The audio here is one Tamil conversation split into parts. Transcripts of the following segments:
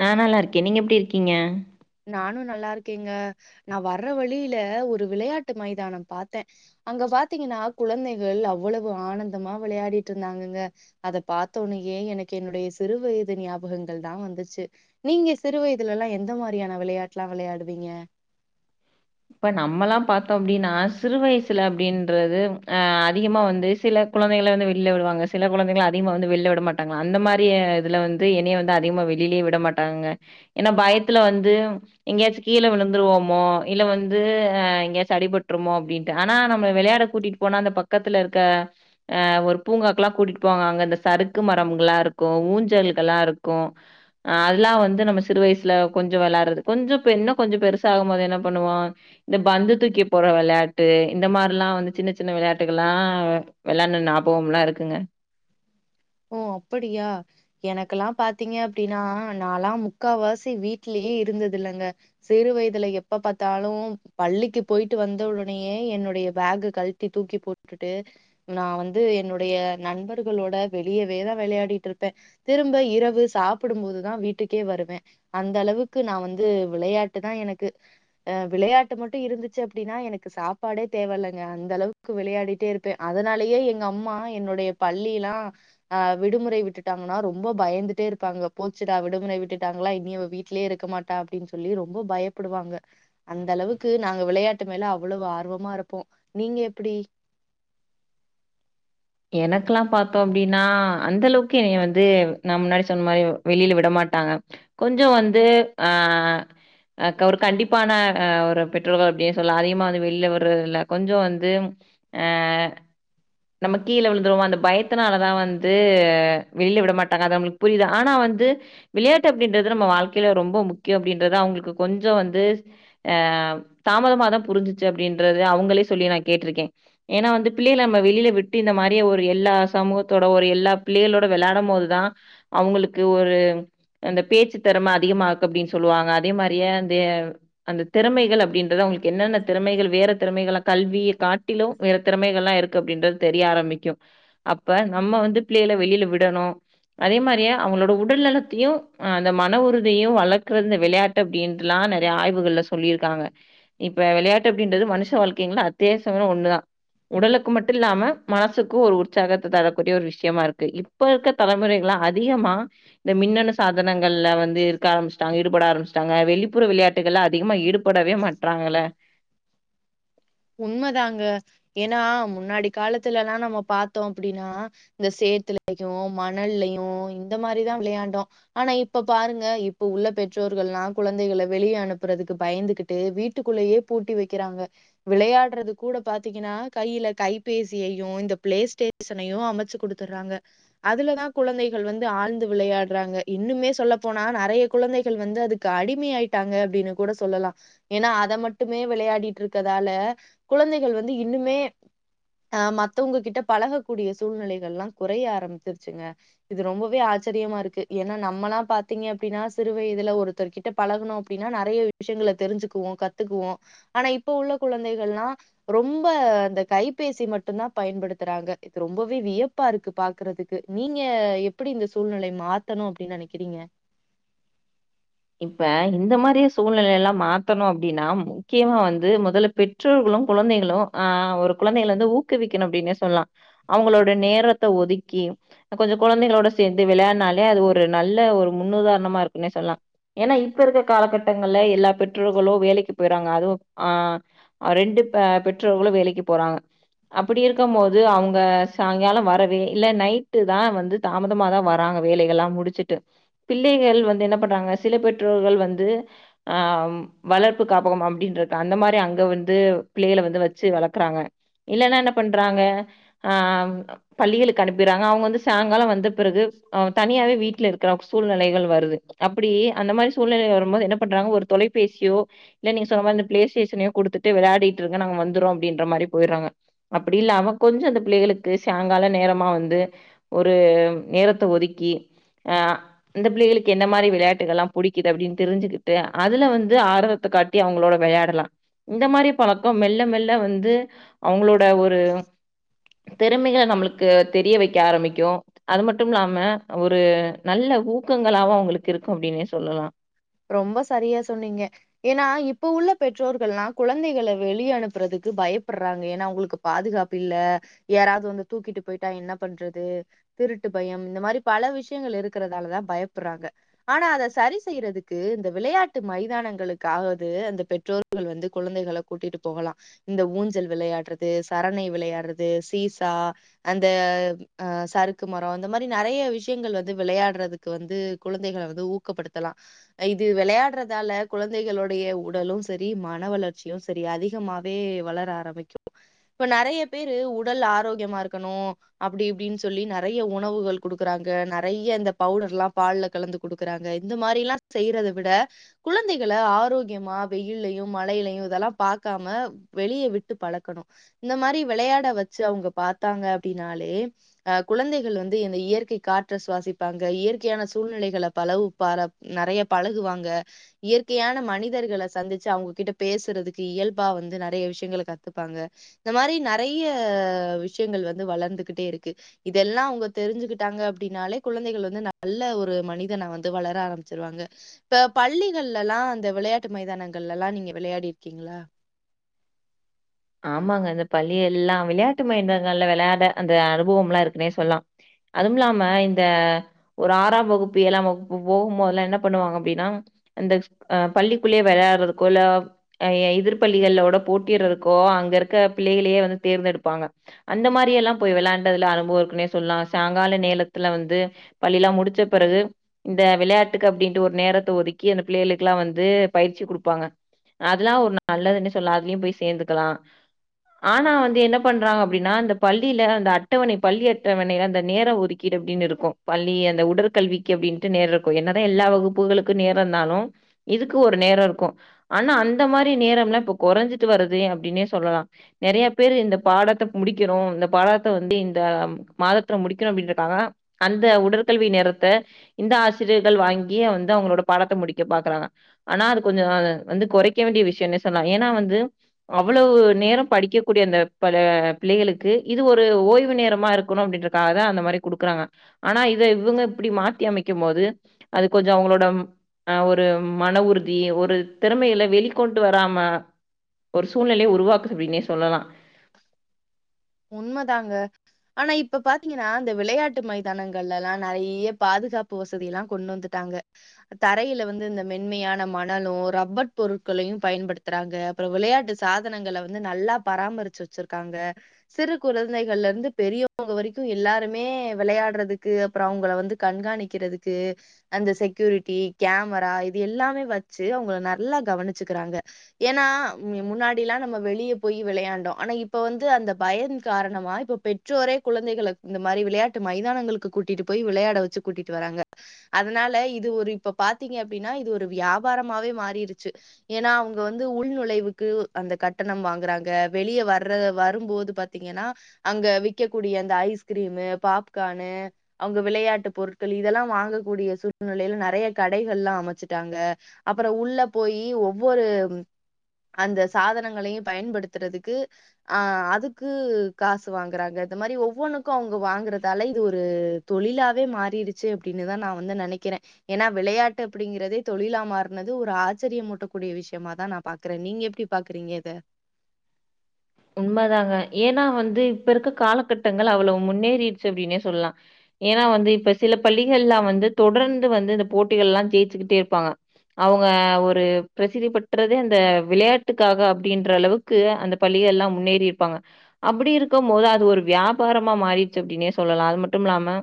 நா நல்லா இருக்கே நீங்க எப்டி இருக்கீங்க நானு நல்லா இருக்கேங்க நா வர வழியில ஒரு விளையாட்டு மைதானம் பாத்தே அங்க பாத்தீங்கன்னா குழந்தைகள் அவ்வளவு ஆனந்தமா விளையாடிட்டு இருந்தாங்கங்க அத பாத்தோனோயே எனக்கு என்னுடைய சிறு வயது ஞாபகங்கள் தா வந்துச்சி நீங்க சிறு வயதுல எல்லா எந்த மாதிரியான விளையாட்டுலா விளையாடுவீங்க இப்ப நம்மல்லா பாத்தோ அப்டின்னா சிறு வயசுல அப்டின்றது ஆ அதிகமா வந்து சில குழந்தைகள வந்து வெளில விடுவாங்க சில குழந்தைங்கள அதிகமா வந்து வெளில விட மாட்டாங்க அந்த மாரி இதுல வந் து என்னைய வந்து அதிகமா வெளியிலே விட மாட்டாங்கங்க என்னா பயத்துல வந்து எங்கையாச்சியு கீழ விழுந்துருவோமோ இல்ல வந்து ஆ எங்கயாச்சியு அடிபட்டுருமோ அப்டின்ட்டு ஆனா நம்மள விளையாட கூட்டிட்டு போனா அந்த பக்கத்துல இருக்க ஆ ஒரு பூங்காக்கல்லா கூட்டிட்டு போவாங்க அங்க இந்த சறுக்கு மரங்ம்ங்லா இருக்கு ஊஞ்சல்களா இருக்கு ஆ அதெல்லா வந்து நம்ம சிறு வயசுல கொஞ்சோ விளாயாறது கொஞ்சோ இப்ப இன்னு கொஞ்சோ பெருசாகும் போது என்னாப் பண்ணுவோ இந்த பந்து தூக்கி போற விளையாட்டு இந்த மாரி ல்லா வந்து சின்ன சின்ன விளையாட்டுகள்லா விளையான்ன ஞபகோம்லா இருக்குங்க ஓ அப்படியா எனக்கெல்லா பாத்தீங்க அப்டினா நாலா முக்கா வாசி வீட்லயே இருந்தது இல்லங்க சிறு வயதுல எப்ப பாத்தாலு பள்ளிக்கு போயிட்டு வந்த உடனேயே என்னுடைய பேக்கு கழட்டி தூக்கி போட் வுட்டுட்டு நான் வந்து என்னுடைய நண்பர்களோட வெளியவேதா விளையாடிட்டு இருப்பேன் திரும்ப இரவு சாப்புடும் போதுதான் வீட்டுக்கே வருவேன் அந்த அளவுக்கு நா வந்து விளையாட்டுதான் எனக்கு ஆ விளையாட்டு மட்டும் இருந்துச்சி அப்படின்னா எனக்கு சாப்பாடே தேவ இல்லங்க அந்த அளவுக் க்கு விளையாடிட்டே இருப்பேன் அதனாலயே எங்க அம்மா என்னுடைய பள்ளிலாம் ஆ விடுமுறை விட்டுட்டாங்கன்னா ரொம்ப பயந்துட்டே இருப்பாங்க போச்சிடா விடுமுறை விட்டுட்டாங்களா இனி இவ வீட்லேயே இருக்க மாட் டா அப்படின்னு சொல்லி ரொம்ப பயப்படுவாங்க அந்த அளவுக்கு நாங்க விளையாட்டு மேல அவ்வளவு ஆர்வமா இருப்போம் நீங்க எப்படி எனக்கெல்லாம் பாத்தோம் அப்டின்னா அந்தளவுக்கு என்னைய வந்து நான் முன்னாடி சொன்ன மாரி வெளில விடமாட்டாங்க கொஞ்ஜோம் வந்து ஆ ஆ ஒரு கண்டிப்பான ஆ ஒரு பெற்றோர்கள் அப்படினு சொல்லாம் அதிகமா வந்து வெளிய விடுறதுல்ல கொஞ்ஜோம் வந்து ஆ நம்ம கீழ விழுந்துடுவோம் அந்த பயத்தனாலதா வந்து வெளிய விட மாட்டாங்க அது நம்மளுக்கு புரியுதா ஆனா வந்து விளையாட்டு அப்படின்றது நம்ம வாழ்க்கையில ரொம்ப முக்கியம் அப்படின்றதுத அவுங்களுக்கு கொஞ்ஜோம் வந்து ஆ தாமதமாதான் புரிஞ்சிச்சி அப்படின்றது அவுங்களே சொல்லி நான் கேட்டிருக்கேன் ஏன்னா வந்து பிள்ளைகல நம்ம வெளியில விட் டி இந்த மாரி ஒரு எல்லா சமூகத்தோட ஒரு எல்லா பிள்ளைகளோட வெளையாடும் மோதுதான் அவுங்களுக்கு ஒரு அந்த பேச்சு திறம அதிகமாக்கு அப்படின்னு சொல்லுவாங்க அதே மாதிரியே அந்த அந்த திறமைகள் அப்படின்றத அவுங்களுக்கு என்னென்ன திறமைகள் வேற திறமைகள்ளாம் கல்வியே காட்டிலும் வேற திறமைகள்லாம் இருக்கு அப்படின்றது தெரிய ஆரம்பிக்கும் அப்ப நம்ம வந்து பிள்ளையல வெளியில விடணும் அதே மாரியே அவங்களோட உடல்நலத்தையும் அந்த மன உறுதியையும் வளர்க்குறது விளையாட் ட்டு அப்படின்னுட்டுல்லாம் நெறைய ஆய்வுகள்ல சொல்லியிருக்காங்க இப்ப வெளையாட்டு அப்டின்றது மனுஷ வாழ்க்கைங்கள்ல அத்தியாவசிய ஒன்னுதான் உடலுக்கு மட்டும் இல்லாம மனசுக்கும் ஒரு உற்சாகத்த தரக்கூடிய ஒரு விஷயமா இருக்கு இப்ப இருக்க தலைமுறைகள்லாம் அதிகமா இந்த மின்னணு சாதனங்கள்ல வந்து இருக்க ஆரம்பிச்சுட்டாங்க ஈடுபட ஆரம்பிச்சிட்டாங்க வெளிப்புற விளையா ட்டுகல அதிகமா ஈடுபடவே மாட்றாங்கள உண்மதாங்க ஏன்னா முன்னாடி காலத்துலல்லாம் நம்ப பாத்தோம் அப்டின்னா இந்த சேத்துலையும் மணல்லையும் இந்த மாரிதான் விளையாண்டோம் ஆனா இப்ப பாருங்க இப்ப உள்ள பெற்றோர்கள்ல்லாம் குழந்தைகள வெளியே அனுப்புறதுக்கு பயந்துகிட் ட்டு வீட்டுக்குள்ளேயே பூட்டி வெக்கிறாங்க விளையாடுறதுக் கூட பாத்தீங்கன்னா கையில கைபேசியையும் இந்த பிளே ஸ்டேஷயனையும் அமைச்சு குடுத் துடுறாங்க அதுலதான் குழந்தைகள் வந்து ஆழ்ந்து விளையாடுறாங்க இன்னுமே சொல்ல போனா நறைய குழந்தைகள் வந்து அதுக் க்கு அடிமை ஆயிட்டாங்க அப்படின்னு கூட சொல்லலாம் ஏன்னா அத‌ மட்டுமே விளையாடிட்டு இருக்க றால குழந்தைகள் வந்து இன்னுமே அ மத்தொங்க கிட்ட பழகக்கூடிய சூழ்நிலைகள்லாம் கொறைய ஆரம்பிச்சிருச்சுங்க இது ரொம்போவே ஆச்சரியமா இருக்கு ஏன்னா நம்மல்லாம் பாத்தீங்க அப்படின்னா சிறு வயதுல ஒரு த்தர் கிட்ட பழகணொம் அப்டின்னா நறைய விஷயங்கள தெரிஞ்சுக்குவோம் கத்துக்குவோம் ஆனா இப் இப்ப உள்ள குழந்தைகல்லாம் ரொம்ப அந்த கைபேசி மட்டும் தான் பயன்படுத்துறாங்க இது ரொம்பவே வியப் ப்பா இருக்கு பாக்குறதுக்கு நீங்க எப்படி இந்த சூழ்நிலைய மாத்தணும் அப்படின்னு நெனைக்கிறீங்க இப்ப இந்த மாரிய சூழ்நிலைலாம் மாத்தணும் அப்டின்னா முக்கியமா வந்து மொதல்ல பெட் ற்றோர்களும் கொழந்தைகளும் ஆ ஒரு குழந்தைகள வந்து ஊக்குவிக்கணும் அப்டின்னே சொல்லாம் அவங்களோட நேரத்த ஒதுக்கி கொஞ்சோ குழந்தைகளோட சேந்து விளையாடுனாலே அது ஒரு நல்ல ஒரு முன்னுதாரணமா இருக்குன்னே சொல்லா ஏன்னா இப்ப இருக்கற காலகட்டங்கள்ல எல்லா பெற்றோர்களு வேலைக்கு பேயிறாங்க அதுவு ஆ ரெண்டு ப பெற்றோர்களு வேலைக்கு போறாங்க அப்படி இருக்கமா போது அவ்ங்க சாய்ங்காலோ வரவே இல்ல நைட்டு தா வந்து தாமதமாதா வராங்க வேலைகள்ல்லா முடுச்சுட்டு பிள்ளைகள் வந்து என்ன பண்றாங்க சில பெற்றோர்கள் வந்து ஆ வளர்ப்பு காப்பகம் அப்டின்றிக்கு அந்த மாரி அங்க வந்து பிள்ளைகல வந்து வச்சு வளக்கறாங்க இல்லன்னா என்ன பண்றாங்க ஆ பள்ளிகளுக்கு அனுப்பிறாங்க அவங்க வந்து சாங்காலோ வந்த பிறகு அவ் தனியாவே வீட்டுல இருக்கிற சூழ்நிலைகள் வருது அப் ப்டி அந்த மாரி சூழ்நிலை வரும்போது என்ன பண்றாங்க ஒரு தொலைபேசியோ இல்ல நீங்க சொன்ன மாதிரி இந்த பிளே ஸ்டேஷனையு குடுத்துட்டு விளாடிட்டு இருங்க நாங்க வந்துருரோ அப்டின்ற மாரி போயிறாங்க அப்டி இல்லாம கொஞ்சோ அந்த பிள்ளைகளுக்கு சேங்காலோ நேரமா வந்து ஒரு நேரத்த ஒதுக்கி அ அந்த பிள்ளைகளுக்கு என்ன மாரி விளையாட் டுகள்லா புடிக்குது அப்டின் தெரிஞ்சுக்கிட்டு அதுல வந்து ஆர்வத்த காட்டி அவங்களோட விளையாடலா இந்த மாரி பழக்கம் மெல்ல மெல்ல வந்து அவங்களோட ஒரு திறமைகள நம்மளுக்கு தெரிய வெக்க ஆரம்பிக்கு அது மட்டுமில்லாம ஒரு நல்ல ஊக்கங்களாவு அவங்களுக்கு இருக்கு அப்டின்னே சொல்லலா ரொம்ப சரியா சொன்னீங்க ஏனா இப்ப உள்ள பெற்றோர்கள்லா குழந்தைகள வெளிய அனுப்புறதுக்கு பயப்படுறாங்க ஏன்னா அவுங்களுக்கு பாதுகாப்பு இல்ல யாராவது வந்து தூக்கிட்டு போய்ட்டா என்ன பண்றது திருட்டு பயம் இந்த மாரி பல விஷயங்கள் இருக்கறதாலதா பயப்படுறாங்க ஆனா அத சரி செய்யறது து இந்த விளையாட்டு மைதானங்களுக்காவது அந்த பெற்றோர்கள் வந்து குழந்தைகள கூட்டிட்டு போகலா இந்த ஊஞ்சல் விளையாடுறது சரணை விளையாடுறது சீசா அந்த அ சறுக்கு மரோ அந்த மாரி நெறைய விஷயங்கள் வந்து விளையாடுறதுக் கு வந்து குழந்தைகள வந்து ஊக்கப்படுத்தலா இது விளையாட்றதால குழந்தைகளுடைய உடலு சரி மன வளர்ச்சியு சரி அதிகமா வே வளர ஆரம்பிக்கு இப்ப நிறைய பேரு உடல் ஆரோக்கியமா இருக்கணு அப்டி இப்டின் சொல்லி நெறைய உணவுகள் கொடுக்குறாங்க நெறைய இந்த பவுடர்ல்லா பால்ல கலந்து குடுக்குறாங்க இந்த மாரி எல்லா செய்யறத விட குழந்தைகள ஆரோக்கியமா வெயிலயு மழையிலயு இதெல்லா பாக்காம வெளிய விட்டு பழக்கணு இந்த மாரி விளையாட வச்சு அவங்க பாத்தாங்க அப்டின்னாலே அ குழந்தைகள் வந்து இந்த இயற்கை காற்ற சுவாசிப்பாங்க இயற்கையான சூழ்நிலைகளை பலவு பார நெறைய பழகுவாங்க இயற்கையான மனிதர்கல சந்திச்சு அவங்ககிட்ட பேசுறதுக்கு இயல்பா வந்து நிறைய விஷயங்கல கத்துப்பாங்க இந்த மாரி நெறைய விஷயங்கள் வந்து வளர்ந்துகிட்டே இருக்கு இதெல்லா அவ்ங்க தெரிஞ்சுக்கிட்டாங்க அப்டின்னாலே குழந்தைகள் வந்து நல்ல ஒரு மனிதன வந்து வளர ஆரம் ச்சருவாங்க இப்ப பள்ளிகள்ல எல்லா அந்த விளையாட்டு மைதானங்கல்லலா நீங்க விளையாடிருக்கீங்களா ஆமாங்க இந்த பள்ளிஎல்லா விளையாட்டு மயந்தங்கள்ல விளையாட அந்த அனுபவம் எல்லா இருக்குனே சொல்லா அதுமில்லாமஇந்த ஒரு ஆறாம் வகுப்பு ஏலாம் வகுப்பு போகும்போதெல்லா என்ன பண்ணுவாங்க அப்டின்னா அந்த அ பள்ளிக்குள்ளேயே விளையாடுறதுக்கோ இல்ல எதிர் பள்ளிகள்ளோட போட்டியிட்றதுக் க்கோ அங்க இருக்க பிள்ளைகளையே வந்து தேர்ந்தெடுப்பாங்க அந்த மாரி எல்லாபோய் விளையாண்டதுல அனுபவோ இருக்குன்னே சொல்லா சாங்கால நேலத்துல வந்து பள்ளிலா முடிச்ச பிறகு இந்த விளையாட்டுக்கு அப்டின்ட்டு ஒரு நேரத்த ஒதுக்கி அந்த பிள்ளைகளுக்கெல்லா வந்து பயிற்சி குடுப்பாங்க அதல்லா ஒரு நல்லதுனே சொல்லா அதுலயு போய் சேந்துக்கலா ஆனா வந்து என்ன பண்றாங்க அப்டினா அந்த பள்ளில அந்த அட்டவணை பள்ளி அட்டவணைல அந்த நேர ஒதுக் கீடு அப்டின் இருக்கு பள்ளி அந்த உடற்கல்விக்கி அப்டின்ட்டு நேரோ இருக்கு என்னதா எல்லா வகுப்புகளுக்கு நேரோ இருந்தாலு இதுக்கு ஒரு நேரோ இருக்கு ஆனா அந்த மாரி நேரம்லா இப்ப கொறஞ்சுட்டு வருது அப்டினே சொல்லலா நெறையா பேரு இந்த பாடத்த முடிக்கணு இந்த பாடத்த வந்து இந்த மாதத்துல முடிக்கணு அப்டின்றதுக்காக அந்த உடற்கல்வி நேரத்த இந்த ஆசிரியர்கள் வாங்கியே வந்து அவுங்களோட பாடத்த முடிக்க பாக்குறாங்க ஆனா அது கொஞ்ஜோ அது வந்து கொறைக்க வேண்டிய விஷ்யோனே சொல்லா ஏனா வந்து அவ்வளவு நேரோ படிக்கக்கூடிய அந்த பல பிள்ளைகளுக்கு இது ஒரு ஓய்வு நேரமா இருக்கணு அப்டின்ற காகதா அந்த மாரி குடுக்குறாங்க ஆனா இத இவுங்க இப்டி மாத்தி அமைக்கும் போது அது கொஞ்சோ அவுங்களோடம் ஆ ஒரு மன உறுதி ஒரு திறமையில வெளிக்கொண்டு வராம ஒரு சூழ்நிலைய உருவாக்குது அப்டினே சொல்லலா உண்மதாங்க ஆனா இப்ப பாத்தீங்கன்னா இந்த விளையாட்டு மைதானங்கள்லல்லா நெறைய பாதுகாப்பு வசதிலா கொண்டு வந்து டாங்க தரையில வந்து இந்த மென்மையான மணலு ரப்பர் பொருட்களையு பயன்படுத்துறாங்க அப்பறோ விளையாட்டு சாதனங்கல வந்து நல்லா பராமருச்சு வச்சுருக்காங்க சிறு குழந்தைகள்ல இருந்து பெரியவுங்க வரைக்கு எல்லாருமே விளையாட்றதுக்கு அப்பறோ அவுங்கள வந்து கண்காணிக்கிறதுக்கு அந்த செக்யூரிட்டி கேமரா இது எல்லாமே வச்சு அவுங்கள நல்லா கவனிச்சுக்குறாங்க ஏனா மீ முன்னாடி எல்லா நம்ம வெளிய போயி விளையாண்டோ ஆனா இப்ப வந்து அந்த பயன் காரணமா இப்ப பெற்றோரே குழந்தைகள இந்த மாரி விளையாட்டு மைதானங்களுக்கு கூட்டிட்டு போய் விளையாட வச்சு கூட்டிட்டு வராங்க அதுனால இது ஒரு இப்ப பாத்தீங்க அப்டினா இது ஒரு வியாபாரமாவே மாறிருச்சு ஏனா அவுங்க வந்து உள் நுழைவுக்கு அந்த கட்டணம் வாங்குறாங்க வெளிய வர்ற வரும்போது பாத்தீங்கனா அங்க விக்கக்கூடிய அந்த ஐஸ்கிரீமு பாப்கானு அவுங்க விளையாட்டு பொருட்கள் இதெல்லா வாங்ககூடிய சூழ்நிலைல நெறைய கடைகள்லா அமச்சுட்டாங்க அப்பறோ உள்ள போயி ஒவ்வொரு அந்த சாதனங்களையு பயன்படுத்துறதுக்கு ஆ அதுக் கு காசு வாங்குறாங்க இந்த மாரி ஒவ்வொனுக்கு அவுங்க வாங்கறதால இது ஒரு தொழிலாவே மாறிறுச்சு அப்டின்னு தா நா வந்து நெனைக்கிறே ஏனா விளையாட்டு அப்டிங்கிறதே தொழிலா மாறுனது ஒரு ஆச்சரியமூட்டக்கூடிய விஷயமா தா நா பாக்குறே நீங்க எப்டி பாக்குறீங்க இத உண்மதாங்க ஏனா வந்து இப்ப இருக்க காலகட்டங்கள் அவ்வளவு முன்னேறிருச்சு அப்டினே சொல்லலா ஏனா வந்து இப்ப சில பள்ளிகள்லா வந்து தொடர்ந்து வந்து இந்த போட்டிகல்லா ஜேஜுகிட்டே இருப்பாங்க அவுங்க ஒரு பிரசிதி பெற்றதே அந்த விளையாட்டுக்காக அப்டின்ற அளவுக்கு அந்த பள்ளிகல்லா முன்னேறிருப்பாங்க அப்புடி இருக்கம் போது அது ஒரு வியாபாரமா மாறிருச்சு அப்டினே சொல்லலா அது மட்டும் இல்லாம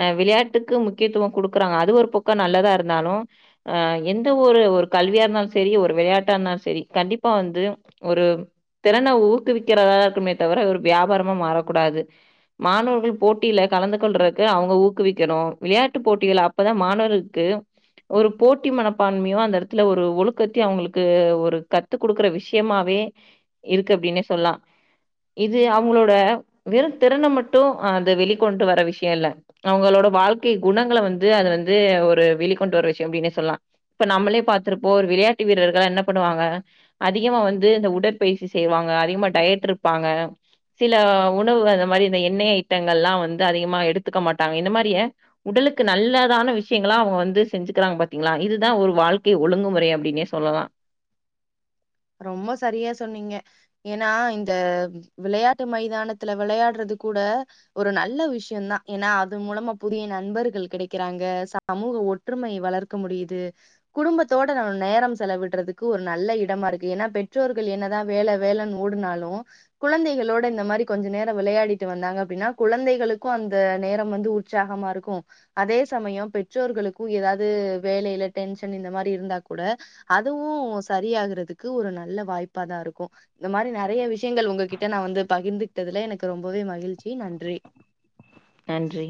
அ விளையாட்டுக்கு முக்கியத்துவோ குடுக்குறாங்க அது ஒரு பக்கோ நல்லதா இருந்தாலு ஆ எந்த ஒரு ஒரு கல்வியா இருந்தாலு சரி ஒரு விளையாட்டா இருந்தாலு சரி கண்டிப்பா வந்து ஒரு திறன ஊக்குவிக்கிறதா இருக்கனுமே தவிர ஒரு வியாபாரமா மாறக்கூடாது மாணவர்கள் போட்டில கலந்து கொள்றக்கு அவுங்க ஊக்குவிக்கணு விளையாட்டுப் போட்டிகள்ள அப் பதா மாணவர்களுக்கு ஒரு போட்டி மனப்பான்மையு அந்த எடத்துல ஒரு ஒழுக்கத்தையு அவுங்களுக்கு ஒரு கத் த்து குடுக்குற விஷயமாவே இருக்கு அப்டின்னே சொல்லா இது அவுங்களோட வெறு திறன மட்டும் அது வெளிக்கொண்டு வர விஷய இல்ல அவுங்களோட வாழ்க்கை குணங்கள வந்து அத வந்து ஒரு வெளிக்கொண்டு வர விஷய அப்டின்னே சொல்லா இப்ப நம்மளே பாத்திருப்போ ஒரு விளையாட்டு வீரர்கள் என்ன பண்ணுவாங்க அதிகமா வந்து இந்த உடற் பயிற்சி செய்வாங்க அதிகமா டயட் இருப்பாங்க சில உணவு அந்த மாரி இந்த எண்ணெய் ஐட்டங்கள் எல்லா வந்து அதிகமா எடுத்துக்க மாட்டாங்க இந்த மாரியே உடலுக்கு நல்லதான விஷயங்களா அவுங்க வந்து செஞ்சுக்கிறாங்க பாத்தீங்களா இதுதான் ஒரு வாழ்க்கை ஒழுங்குமுறை அப்டின்னே சொல்லலா ரொம்ப சரியா சொன்னீங்க ஏனா இந்த விளையாட்டு மைதானத்துல விளையாட்றது கூட ஒரு நல்ல விஷயந்தான் ஏனா அது மூலமா புதிய நண்பர்கள் கிடைக்கிறாங்க சமூக ஒற்றுமை வளர்க்க முடியுது குடும்பத்தோட நம்ம நேரம் செலவிடுறதுக்கு ஒரு நல்ல இடமா இருக் ஏனா பெற்றோர்கள் என்னதா வேல வேலன்னு ஓடுனாலு குழந்தைகளோட இந்த மாரி கொஞ்ச நேரம் விளயாடிட்டு வந்தாங்க அப்டின்னா குழந்தைகளுக்கு அந்த நேரம் வந்து உ ச்சாகமா இருக்கு அதே சமயோ பெற்றோர்களுக்கு ஏதாது வேலயில டென்ஷன் இந்த மாரி இருந்தா கூட அதுவு சரியாகுறதுக்கு ஒரு நல்ல வாய்ப்பாதா இருக்கு இந்த மாரி நெறைய விஷயங்கள் உங்ககிட்ட நா வந்து பகிர்ந்துகிட்டதுல எனக்கு ரொம்பவே மகிழ்ச்சி நன்றி நன்றி